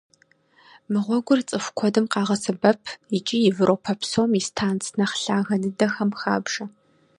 Мы гъуэгур цӀыху куэдым къагъэсэбэп икӀи Европэ псом и станц нэхъ лъагэ дыдэхэм хабжэ.